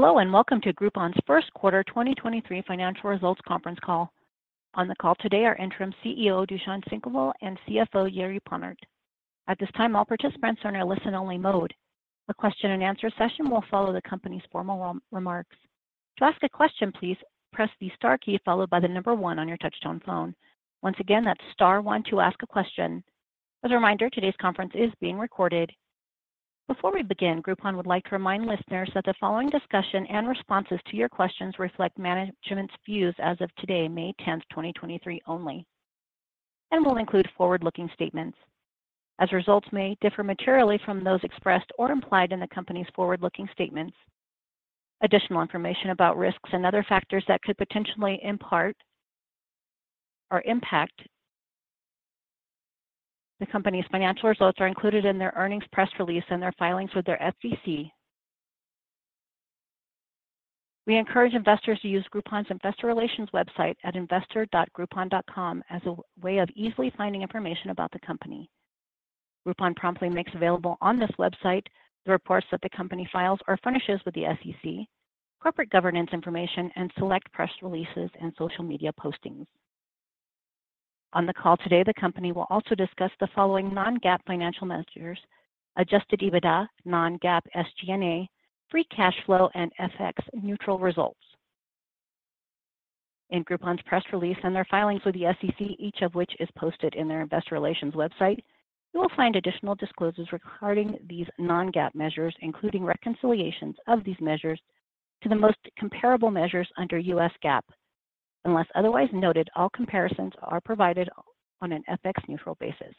Hello and welcome to Groupon's first quarter 2023 financial results conference call. On the call today are interim CEO, Dušan Šenkypl, and CFO, Jiří Ponrt. At this time, all participants are in a listen only mode. A question and answer session will follow the company's formal re-remarks. To ask a question, please press the star key followed by number 1 on your touchtone phone. Once again, that's star 1 to ask a question. As a reminder, today's conference is being recorded. Before we begin, Groupon would like to remind listeners that the following discussion and responses to your questions reflect management's views as of today, May 10, 2023 only, and will include forward-looking statements. As results may differ materially from those expressed or implied in the company's forward-looking statements, additional information about risks and other factors that could potentially impart or impact the company's financial results are included in their earnings press release and their filings with their SEC. We encourage investors to use Groupon's investor relations website at investor.groupon.com as a way of easily finding information about the company. Groupon promptly makes available on this website the reports that the company files or furnishes with the SEC, corporate governance information, and select press releases and social media postings. On the call today, the company will also discuss the following non-GAAP financial measures: adjusted EBITDA, non-GAAP SG&A, free cash flow, and FX neutral results. In Groupon's press release and their filings with the SEC, each of which is posted in their investor relations website, you will find additional disclosures regarding these non-GAAP measures, including reconciliations of these measures to the most comparable measures under U.S. GAAP. Unless otherwise noted, all comparisons are provided on an FX-neutral basis.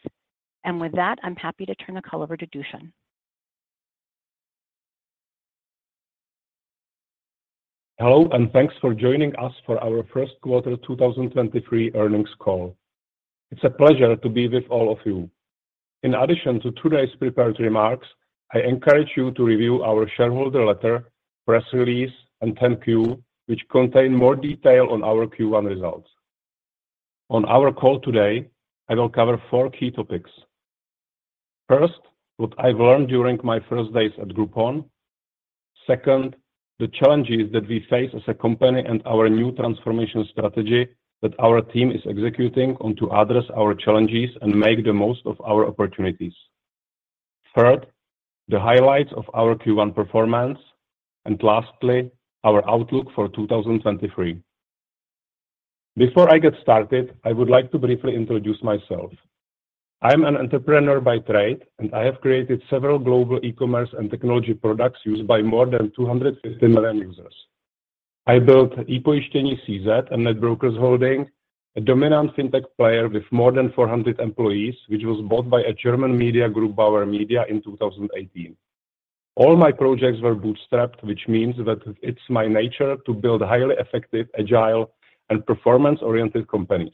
With that, I'm happy to turn the call over to Dušan Hello, thanks for joining us for our first quarter 2023 earnings call. It's a pleasure to be with all of you. In addition to today's prepared remarks, I encourage you to review our shareholder letter, press release, and 10-Q, which contain more detail on our Q1 results. On our call today, I will cover four key topics. First, what I've learned during my first days at Groupon. Second, the challenges that we face as a company and our new transformation strategy that our team is executing on to address our challenges and make the most of our opportunities. Third, the highlights of our Q1 performance. Lastly, our outlook for 2023. Before I get started, I would like to briefly introduce myself. I'm an entrepreneur by trade, and I have created several global e-commerce and technology products used by more than 250 million users. I built ePojisteni.cz and NetBrokers Holding, a dominant fintech player with more than 400 employees, which was bought by a German Media Group, Bauer Media Group, in 2018. All my projects were bootstrapped, which means that it's my nature to build highly effective, agile, and performance-oriented companies.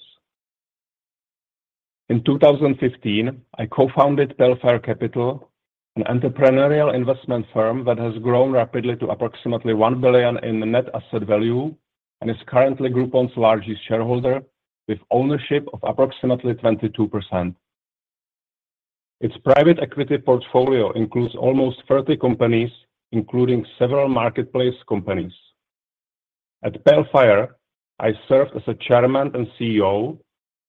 In 2015, I co-founded Pale Fire Capital, an entrepreneurial investment firm that has grown rapidly to approximately $1 billion in net asset value and is currently Groupon's largest shareholder with ownership of approximately 22%. Its private equity portfolio includes almost 30 companies, including several marketplace companies. At Pale Fire, I served as a chairman and CEO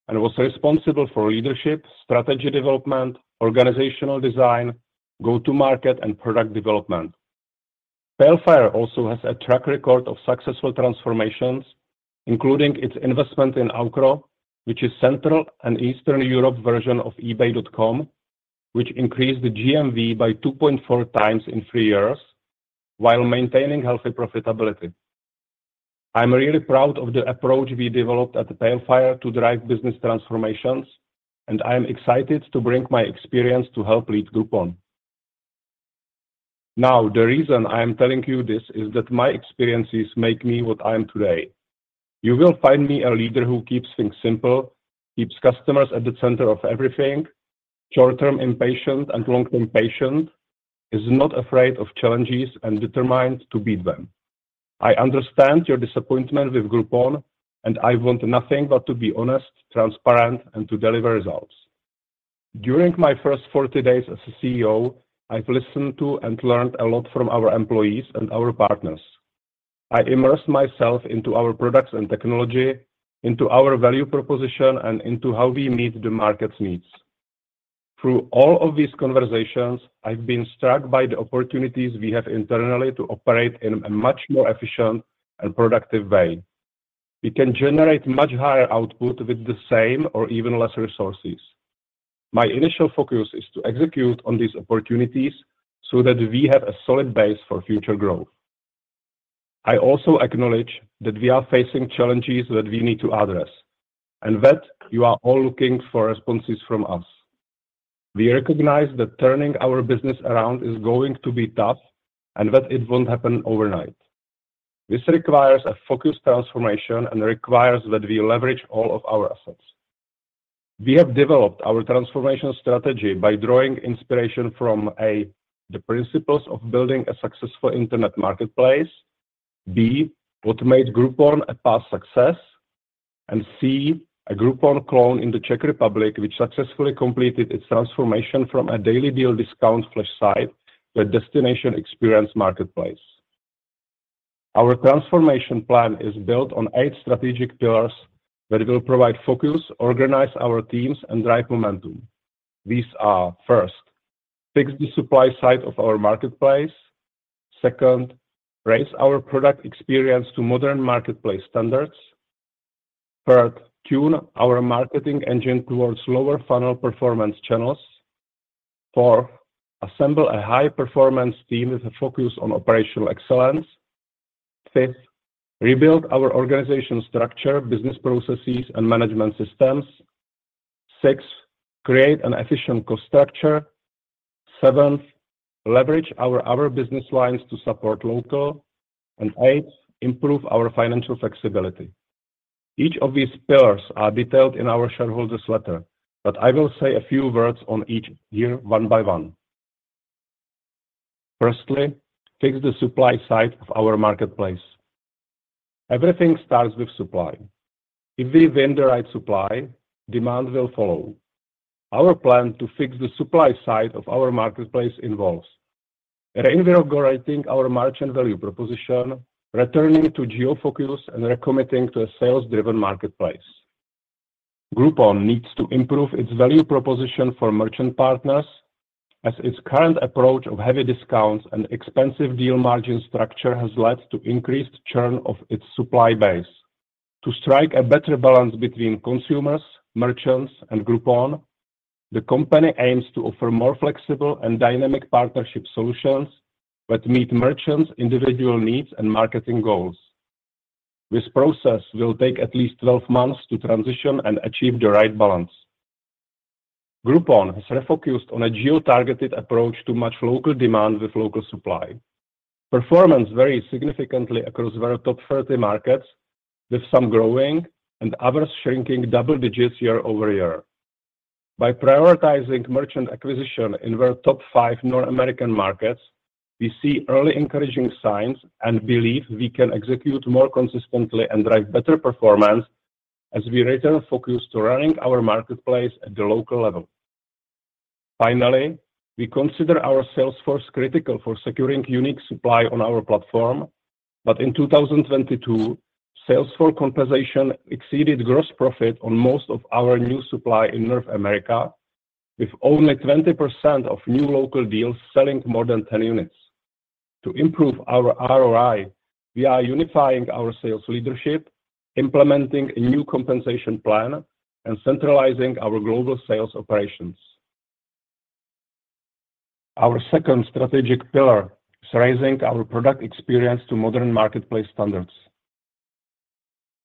and was responsible for leadership, strategy development, organizational design, go-to market, and product development. Pale Fire also has a track record of successful transformations, including its investment in Aukro, which is Central and Eastern Europe version of eBay.com, which increased the GMV by 2.4 times in 3 years while maintaining healthy profitability. I am excited to bring my experience to help lead Groupon. The reason I am telling you this is that my experiences make me what I am today. You will find me a leader who keeps things simple, keeps customers at the center of everything, short-term impatient and long-term patient, is not afraid of challenges, and determined to beat them. I understand your disappointment with Groupon. I want nothing but to be honest, transparent, and to deliver results. During my first 40 days as a CEO, I've listened to and learned a lot from our employees and our partners. I immersed myself into our products and technology, into our value proposition, and into how we meet the market's needs. Through all of these conversations, I've been struck by the opportunities we have internally to operate in a much more efficient and productive way. We can generate much higher output with the same or even less resources. My initial focus is to execute on these opportunities so that we have a solid base for future growth. I also acknowledge that we are facing challenges that we need to address, and that you are all looking for responses from us. We recognize that turning our business around is going to be tough and that it won't happen overnight. This requires a focused transformation and requires that we leverage all of our assets. We have developed our transformation strategy by drawing inspiration from A, the principles of building a successful internet marketplace, B, what made Groupon a past success, and C, a Groupon clone in the Czech Republic, which successfully completed its transformation from a daily deal discount flash site to a destination experience marketplace. Our transformation plan is built on eight strategic pillars that will provide focus, organize our teams, and drive momentum. These are, First, fix the supply side of our marketplace. Second, raise our product experience to modern marketplace standards. Third, tune our marketing engine towards lower funnel performance channels. Four, assemble a high-performance team with a focus on operational excellence. Fifth, rebuild our organization structure, business processes and management systems. Six, create an efficient cost structure. Seventh, leverage our other business lines to support Local. Eight, improve our financial flexibility. Each of these pillars are detailed in our shareholders letter, I will say a few words on each here one by one. Firstly, fix the supply side of our marketplace. Everything starts with supply. If we win the right supply, demand will follow. Our plan to fix the supply side of our marketplace involves reinvigorating our merchant value proposition, returning to geo-focus, and recommitting to a sales-driven marketplace. Groupon needs to improve its value proposition for merchant partners as its current approach of heavy discounts and expensive deal margin structure has led to increased churn of its supply base. To strike a better balance between consumers, merchants, and Groupon, the company aims to offer more flexible and dynamic partnership solutions that meet merchants' individual needs and marketing goals. This process will take at least 12 months to transition and achieve the right balance. Groupon has refocused on a geo-targeted approach to match local demand with local supply. Performance varies significantly across our top 30 markets, with some growing and others shrinking double digits year-over-year. By prioritizing merchant acquisition in our top five North American markets, we see early encouraging signs and believe we can execute more consistently and drive better performance as we return focus to running our marketplace at the local level. Finally, we consider our sales force critical for securing unique supply on our platform. In 2022, sales force compensation exceeded gross profit on most of our new supply in North America, with only 20% of new local deals selling more than 10 units. To improve our ROI, we are unifying our sales leadership, implementing a new compensation plan, and centralizing our global sales operations. Our second strategic pillar is raising our product experience to modern marketplace standards.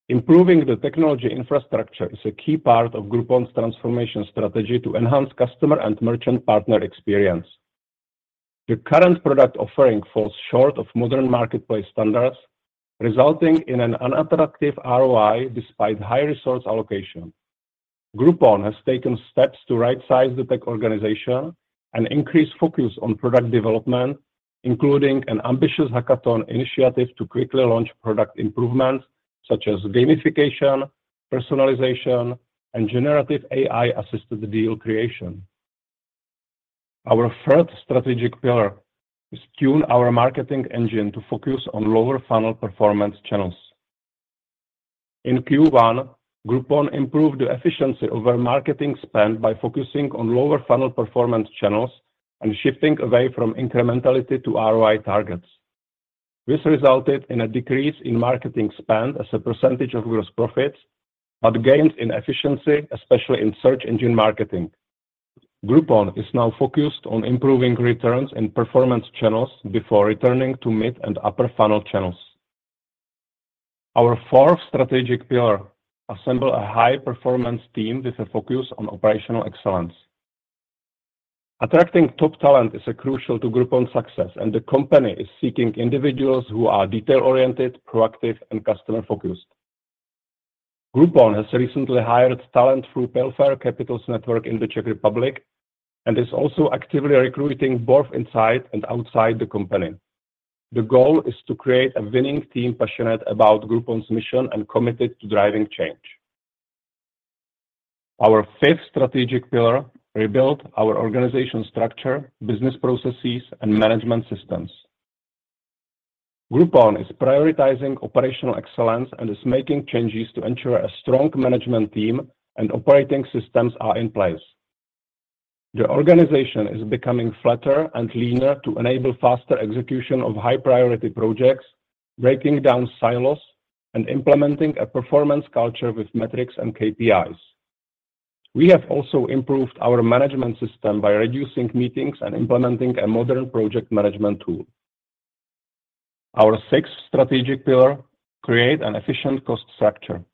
Improving the technology infrastructure is a key part of Groupon's transformation strategy to enhance customer and merchant partner experience. The current product offering falls short of modern marketplace standards, resulting in an unattractive ROI despite high resource allocation. Groupon has taken steps to right-size the tech organization and increase focus on product development, including an ambitious hackathon initiative to quickly launch product improvements such as gamification, personalization, and generative AI-assisted deal creation. Our third strategic pillar is tune our marketing engine to focus on lower funnel performance channels. In Q1, Groupon improved the efficiency of our marketing spend by focusing on lower funnel performance channels and shifting away from incrementality to ROI targets. This resulted in a decrease in marketing spend as a percentage of gross profit, but gains in efficiency, especially in search engine marketing. Groupon is now focused on improving returns in performance channels before returning to mid and upper funnel channels. Our fourth strategic pillar, assemble a high-performance team with a focus on operational excellence. Attracting top talent is a crucial to Groupon's success, and the company is seeking individuals who are detail-oriented, proactive, and customer-focused. Groupon has recently hired talent through Pale Fire Capital's network in the Czech Republic and is also actively recruiting both inside and outside the company. The goal is to create a winning team passionate about Groupon's mission and committed to driving change. Our fifth strategic pillar, rebuild our organization structure, business processes, and management systems. Groupon is prioritizing operational excellence and is making changes to ensure a strong management team and operating systems are in place. The organization is becoming flatter and leaner to enable faster execution of high priority projects, breaking down silos, and implementing a performance culture with metrics and KPIs. We have also improved our management system by reducing meetings and implementing a modern project management tool. Our sixth strategic pillar, create an efficient cost structure.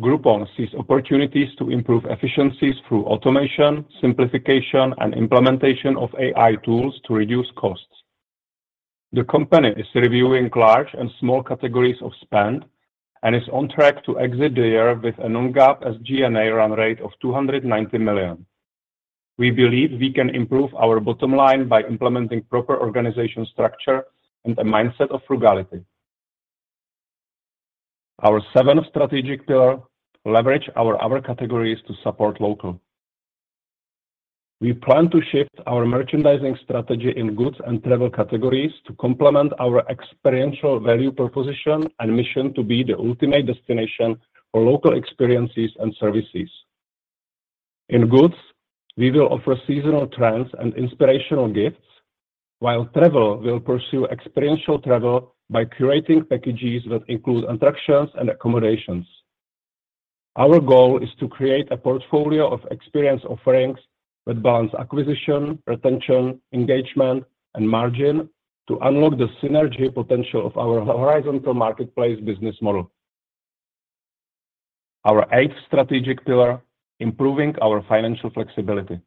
Groupon sees opportunities to improve efficiencies through automation, simplification, and implementation of AI tools to reduce costs. The company is reviewing large and small categories of spend and is on track to exit the year with a non-GAAP SG&A run rate of $290 million. We believe we can improve our bottom line by implementing proper organization structure and a mindset of frugality. Our seventh strategic pillar, leverage our other categories to support local. We plan to shift our merchandising strategy in goods and travel categories to complement our experiential value proposition and mission to be the ultimate destination for local experiences and services. In goods, we will offer seasonal trends and inspirational gifts, while travel will pursue experiential travel by curating packages that include attractions and accommodations. Our goal is to create a portfolio of experience offerings that balance acquisition, retention, engagement, and margin to unlock the synergy potential of our horizontal marketplace business model. Our eighth strategic pillar, improving our financial flexibility.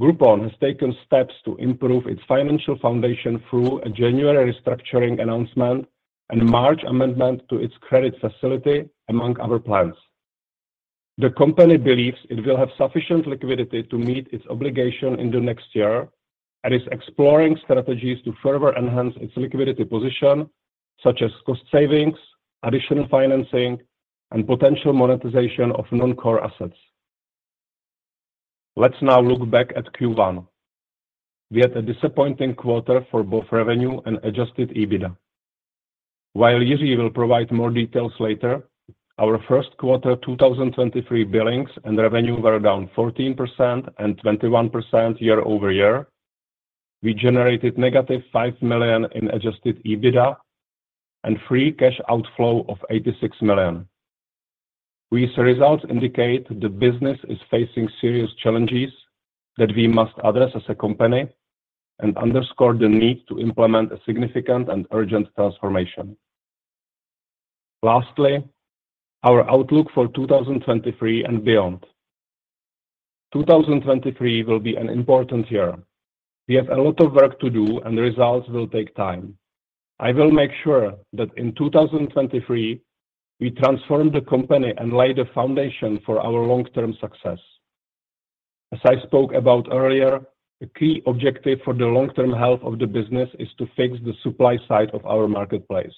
Groupon has taken steps to improve its financial foundation through a January restructuring announcement and March amendment to its credit facility, among other plans. The company believes it will have sufficient liquidity to meet its obligation in the next year and is exploring strategies to further enhance its liquidity position, such as cost savings, additional financing, and potential monetization of non-core assets. Let's now look back at Q1. We had a disappointing quarter for both revenue and adjusted EBITDA. While Jiří will provide more details later, our first quarter 2023 billings and revenue were down 14% and 21% year-over-year. We generated negative $5 million in adjusted EBITDA and free cash outflow of $86 million. These results indicate the business is facing serious challenges that we must address as a company and underscore the need to implement a significant and urgent transformation. Lastly, our outlook for 2023 and beyond. 2023 will be an important year. We have a lot of work to do, and the results will take time. I will make sure that in 2023, we transform the company and lay the foundation for our long-term success. As I spoke about earlier, a key objective for the long-term health of the business is to fix the supply side of our marketplace.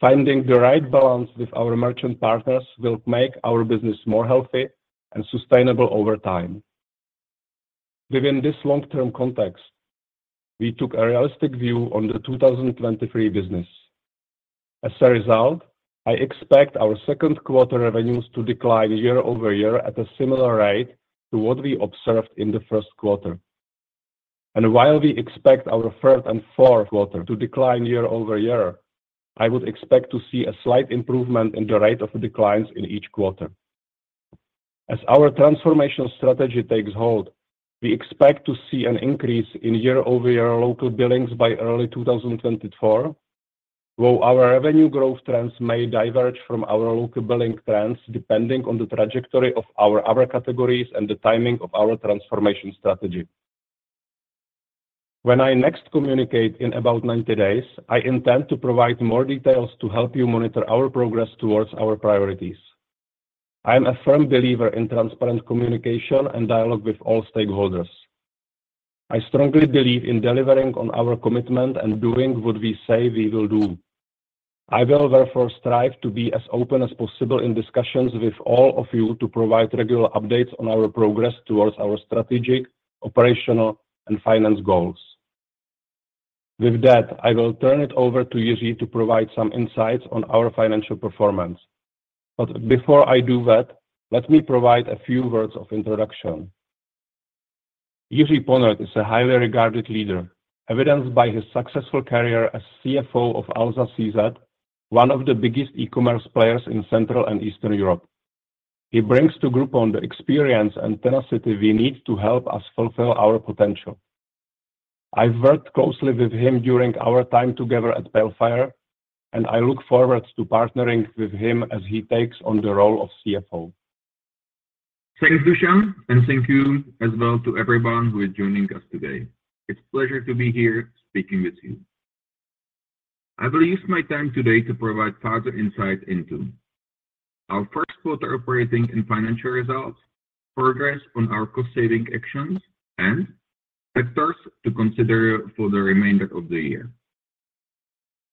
Finding the right balance with our merchant partners will make our business more healthy and sustainable over time. Within this long-term context, we took a realistic view on the 2023 business. As a result, I expect our 2Q revenues to decline year-over-year at a similar rate to what we observed in the 1Q. While we expect our third and fourth quarter to decline year-over-year, I would expect to see a slight improvement in the rate of declines in each quarter. As our transformation strategy takes hold, we expect to see an increase in year-over-year local billings by early 2024, though our revenue growth trends may diverge from our local billing trends, depending on the trajectory of our other categories and the timing of our transformation strategy. When I next communicate in about 90 days, I intend to provide more details to help you monitor our progress towards our priorities. I am a firm believer in transparent communication and dialogue with all stakeholders. I strongly believe in delivering on our commitment and doing what we say we will do. I will therefore strive to be as open as possible in discussions with all of you to provide regular updates on our progress towards our strategic, operational, and finance goals. With that, I will turn it over to Jiří to provide some insights on our financial performance. Before I do that, let me provide a few words of introduction. Jiří Ponrt is a highly regarded leader, evidenced by his successful career as CFO of Alza.cz, one of the biggest e-commerce players in Central and Eastern Europe. He brings to Groupon the experience and tenacity we need to help us fulfill our potential. I've worked closely with him during our time together at Pale Fire, and I look forward to partnering with him as he takes on the role of CFO. Thanks, Dušan, thank you as well to everyone who is joining us today. It's a pleasure to be here speaking with you. I will use my time today to provide further insight into our first quarter operating and financial results, progress on our cost-saving actions, and factors to consider for the remainder of the year.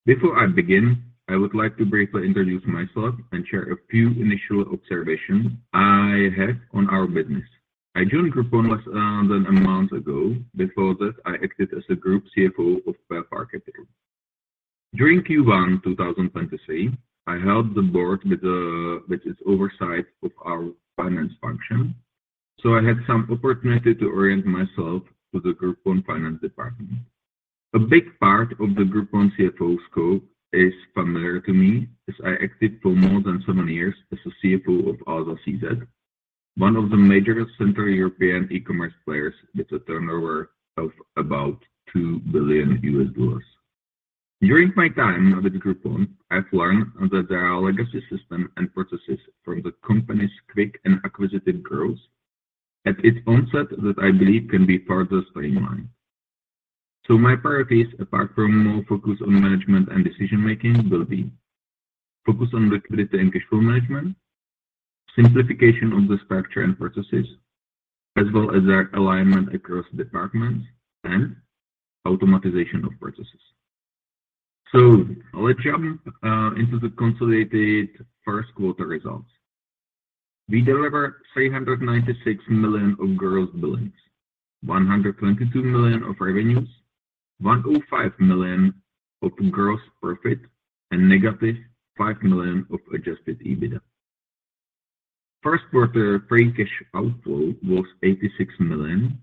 Before I begin, I would like to briefly introduce myself and share a few initial observations I have on our business. I joined Groupon less than a month ago. Before that, I acted as a Group CFO of Pale Fire Capital. During Q1 2023, I helped the board with its oversight of our finance function, I had some opportunity to orient myself to the Groupon finance department. A big part of the Groupon CFO scope is familiar to me as I acted for more than seven years as a CFO of Alza.cz, one of the major Central European e-commerce players with a turnover of about $2 billion. During my time with Groupon, I've learned that there are legacy system and processes from the company's quick and acquisitive growth at its onset that I believe can be further streamlined. My priorities apart from more focus on management and decision making will be focus on liquidity and cash flow management, simplification of the structure and processes, as well as their alignment across departments and automation of processes. Let's jump into the consolidated first quarter results. We delivered $396 million of gross billings, $122 million of revenues, $105 million of gross profit, and negative $5 million of adjusted EBITDA. First quarter free cash outflow was $86 million,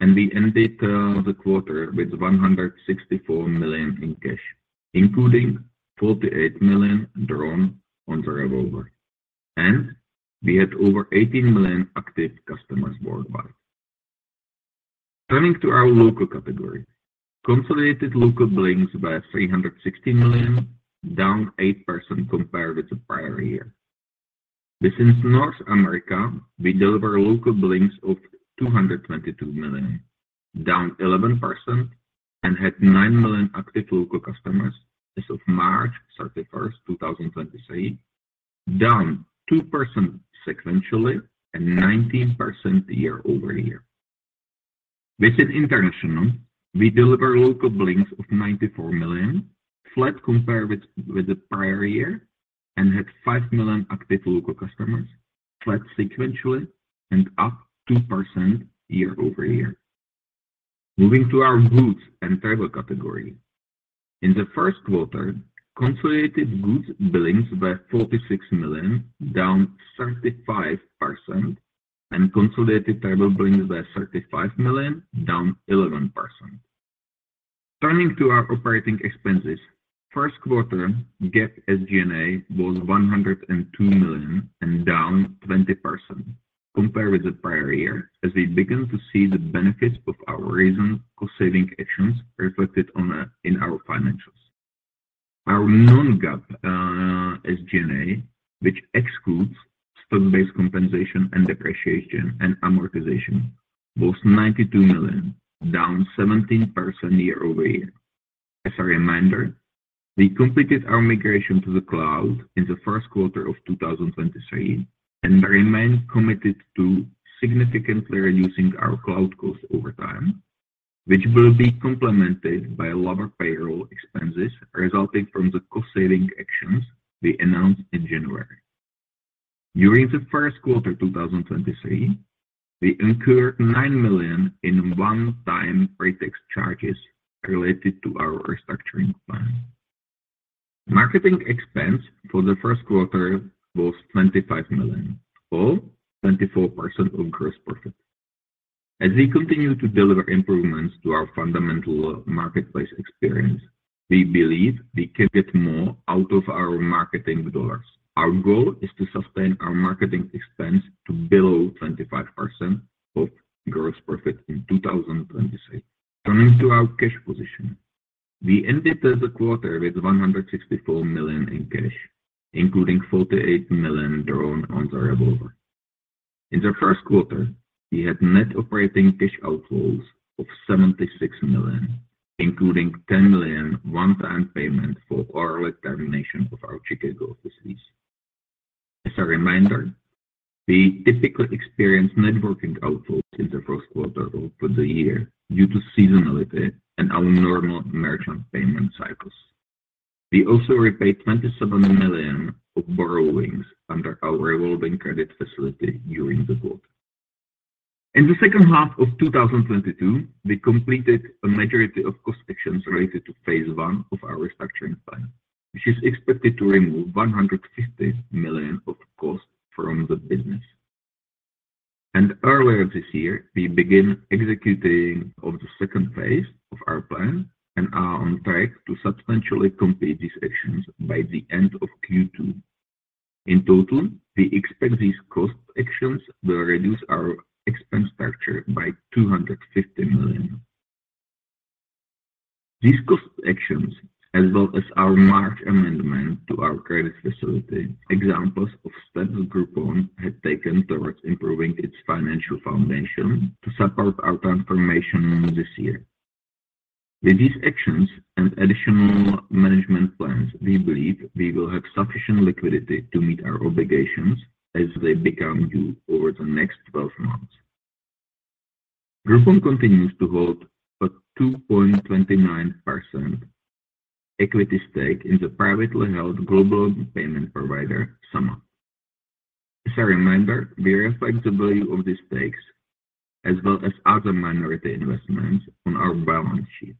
and we ended the quarter with $164 million in cash, including $48 million drawn on the revolver. We had over 18 million active customers worldwide. Turning to our local category. Consolidated local billings were $360 million, down 8% compared with the prior year. Within North America, we delivered local billings of $222 million, down 11%, and had 9 million active local customers as of March 31, 2023, down 2% sequentially and 19% year-over-year. Within international, we delivered local billings of $94 million, flat compared with the prior year and had 5 million active local customers, flat sequentially and up 2% year-over-year. Moving to our goods and travel category. In the first quarter, consolidated goods billings were $46 million, down 35%, and consolidated travel billings were $35 million, down 11%. Turning to our operating expenses. First quarter GAAP SG&A was $102 million and down 20% compared with the prior year as we begin to see the benefits of our recent cost saving actions reflected in our financials. Our non-GAAP SG&A, which excludes stock-based compensation and depreciation and amortization, was $92 million, down 17% year-over-year. As a reminder, we completed our migration to the cloud in the first quarter of 2023, and remain committed to significantly reducing our cloud costs over time, which will be complemented by lower payroll expenses resulting from the cost saving actions we announced in January. During the first quarter 2023, we incurred $9 million in one-time pre-tax charges related to our restructuring plan. Marketing expense for the first quarter was $25 million or 24% of gross profit. As we continue to deliver improvements to our fundamental marketplace experience, we believe we can get more out of our marketing dollars. Our goal is to sustain our marketing expense to below 25% of gross profit in 2023. Turning to our cash position. We ended the quarter with $164 million in cash, including $48 million drawn on the revolver. In the first quarter, we had net operating cash outflows of $76 million, including $10 million one-time payment for early termination of our Chicago offices. As a reminder, we typically experience net working outflows in the first quarter of the year due to seasonality and our normal merchant payment cycles. We also repaid $27 million of borrowings under our revolving credit facility during the quarter. In the second half of 2022, we completed a majority of cost actions related to phase one of our restructuring plan, which is expected to remove $150 million of cost from the business. Earlier this year, we began executing of the second phase of our plan and are on track to substantially complete these actions by the end of Q2. In total, we expect these cost actions will reduce our expense structure by $250 million. These cost actions, as well as our large amendment to our credit facility, examples of steps Groupon had taken towards improving its financial foundation to support our transformation this year. With these actions and additional management plans, we believe we will have sufficient liquidity to meet our obligations as they become due over the next 12 months. Groupon continues to hold a 2.29% equity stake in the privately held global payment provider, SumUp. As a reminder, we reflect the value of these stakes as well as other minority investments on our balance sheet.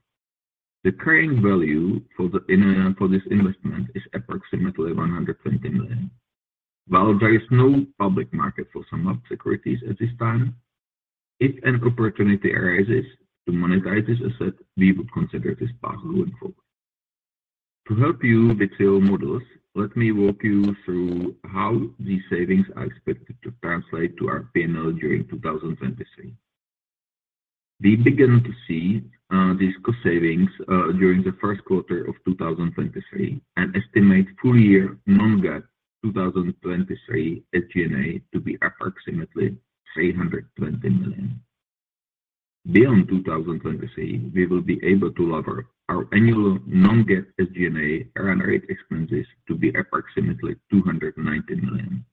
The carrying value for this investment is approximately $120 million. While there is no public market for SumUp securities at this time, if an opportunity arises to monetize this asset, we would consider this path going forward. To help you with your models, let me walk you through how these savings are expected to translate to our P&L during 2023. We begin to see these cost savings during the first quarter of 2023 and estimate full year non-GAAP 2023 SG&A to be approximately $320 million. Beyond 2023, we will be able to lever our annual non-GAAP SG&A run rate expenses to be approximately $290 million.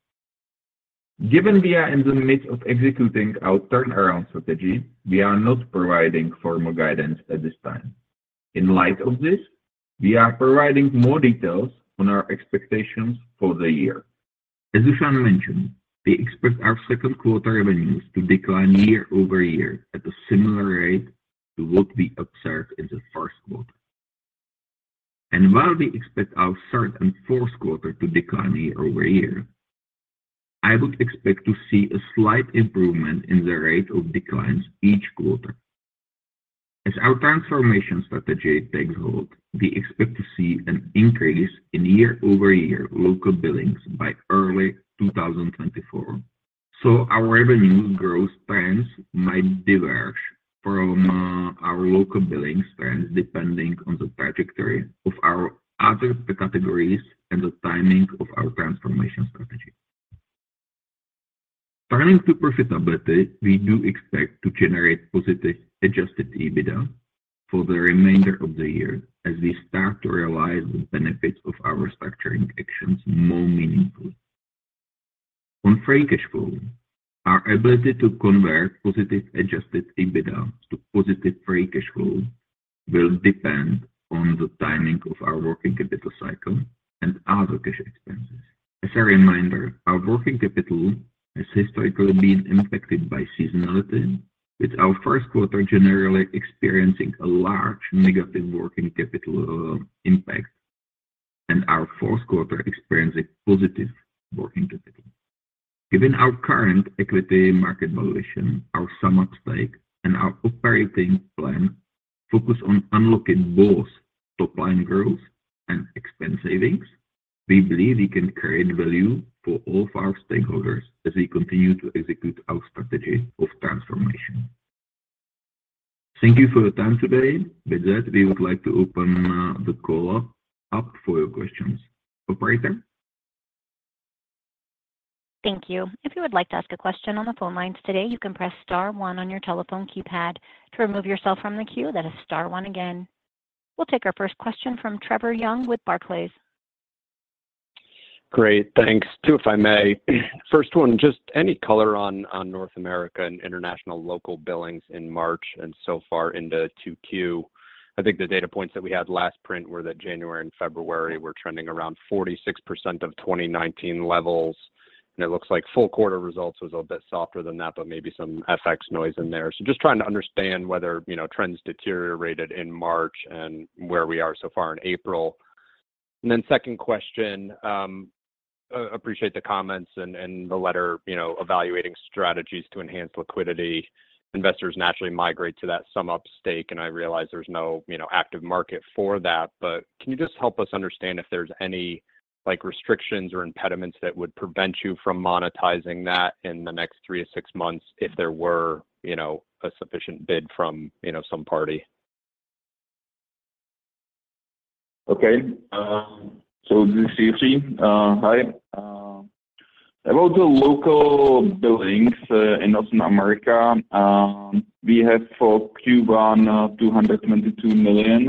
Given we are in the midst of executing our turnaround strategy, we are not providing formal guidance at this time. In light of this, we are providing more details on our expectations for the year. As Zuzana mentioned, we expect our second quarter revenues to decline year-over-year at a similar rate to what we observed in the first quarter. While we expect our third and fourth quarter to decline year-over-year, I would expect to see a slight improvement in the rate of declines each quarter. As our transformation strategy takes hold, we expect to see an increase in year-over-year local billings by early 2024. Our revenue growth trends might diverge from our local billings trends depending on the trajectory of our other categories and the timing of our transformation strategy. Turning to profitability, we do expect to generate positive adjusted EBITDA for the remainder of the year as we start to realize the benefits of our restructuring actions more meaningfully. Our ability to convert positive adjusted EBITDA to positive free cash flow will depend on the timing of our working capital cycle and other cash expenses. As a reminder, our working capital has historically been impacted by seasonality, with our first quarter generally experiencing a large negative working capital impact, and our fourth quarter experiencing positive working capital. Given our current equity market valuation, our SumUp stake and our operating plan focus on unlocking both top line growth and expense savings, we believe we can create value for all of our stakeholders as we continue to execute our strategy of transformation. Thank you for your time today. With that, we would like to open the call up for your questions. Operator? Thank you. If you would like to ask a question on the phone lines today, you can press star one on your telephone keypad. To remove yourself from the queue, that is star one again. We'll take our first question from Trevor Young with Barclays. Great. Thanks. 2, if I may. First one, just any color on North America and international local billings in March and so far into 2Q. I think the data points that we had last print were that January and February were trending around 46% of 2019 levels, and it looks like full quarter results was a bit softer than that, but maybe some FX noise in there. Just trying to understand whether, you know, trends deteriorated in March and where we are so far in April. Second question, appreciate the comments and the letter, you know, evaluating strategies to enhance liquidity. Investors naturally migrate to that SumUp stake, and I realize there's no, you know, active market for that. Can you just help us understand if there's any, like, restrictions or impediments that would prevent you from monetizing that in the next three to six months if there were, you know, a sufficient bid from, you know, some party? Okay. So this is Jiří. Hi. About the local billings in North America, we have for Q1 $222 million,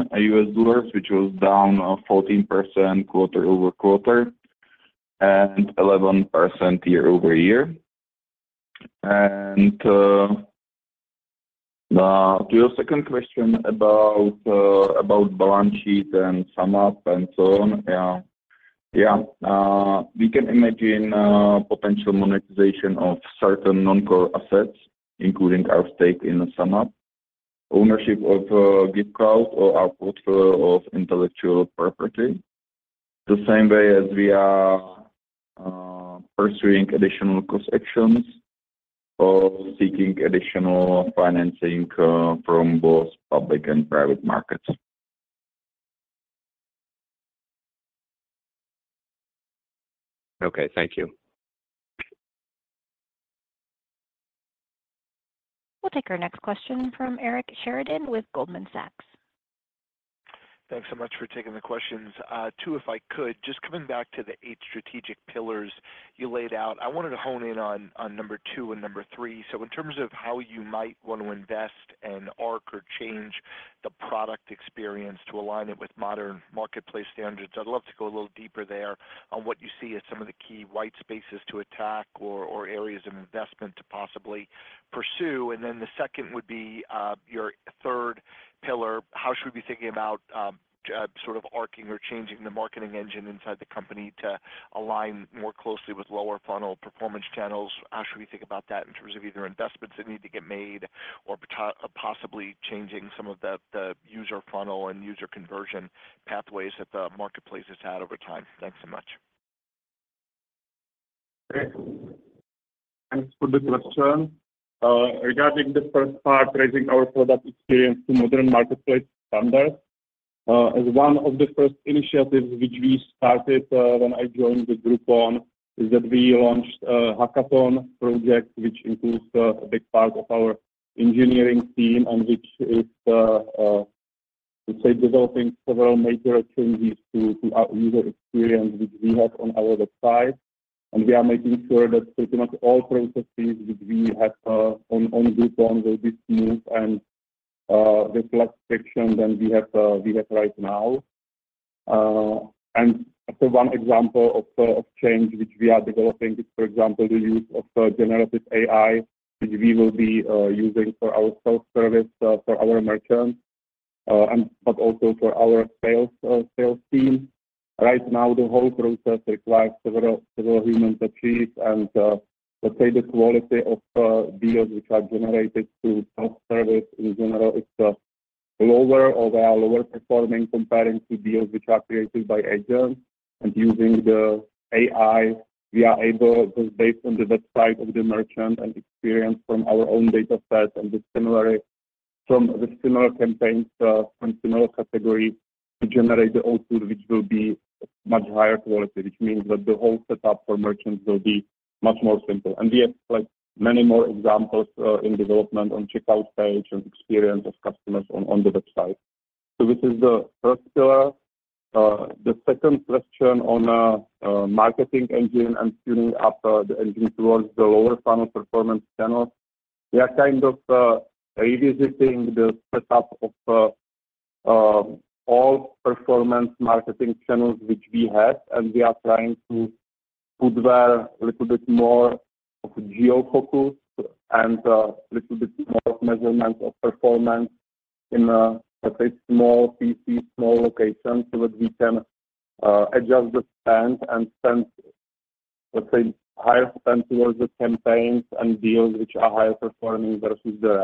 which was down 14% quarter-over-quarter and 11% year-over-year. To your second question about about balance sheet and SumUp and so on. Yeah. Yeah, we can imagine potential monetization of certain non-core assets, including our stake in SumUp, ownership of GiftCloud or our portfolio of intellectual property. The same way as we are pursuing additional cost actions or seeking additional financing from both public and private markets. Okay. Thank you. We'll take our next question from Eric Sheridan with Goldman Sachs. Thanks so much for taking the questions. 2, if I could. Just coming back to the 8 strategic pillars you laid out, I wanted to hone in on number 2 and number 3. In terms of how you might want to invest and arc or change the product experience to align it with modern marketplace standards, I'd love to go a little deeper there on what you see as some of the key white spaces to attack or areas of investment to possibly pursue. Then the second would be your third pillar. How should we be thinking about sort of arcing or changing the marketing engine inside the company to align more closely with lower funnel performance channels? How should we think about that in terms of either investments that need to get made or possibly changing some of the user funnel and user conversion pathways that the marketplace has had over time? Thanks so much. Thanks for the question. Regarding the first part, raising our product experience to modern marketplace standards. As one of the first initiatives which we started, when I joined the Groupon, is that we launched a hackathon project, which includes a big part of our engineering team and which is developing several major changes to our user experience, which we have on our website. We are making sure that pretty much all processes which we have on Groupon will be smooth and reflect section than we have right now. One example of change which we are developing is, for example, the use of generative AI, which we will be using for our self-service for our merchants, and but also for our sales team. Right now, the whole process requires several human touches and, let's say the quality of deals which are generated through self-service in general is lower or they are lower performing comparing to deals which are created by agents. Using the AI, we are able to based on the website of the merchant and experience from our own data sets and from the similar campaigns, from similar categories to generate the output, which will be much higher quality. Which means that the whole setup for merchants will be much more simple. We have, like, many more examples in development on checkout page and experience of customers on the website. This is the first pillar. The second question on marketing engine and tuning up the engine towards the lower funnel performance channels. We are kind of revisiting the setup of all performance marketing channels which we have, and we are trying to put there a little bit more of geo-focus and a little bit more of measurement of performance in, let's say small CC, small locations, so that we can adjust the spend and spend, let's say, higher spend towards the campaigns and deals which are higher performing versus the.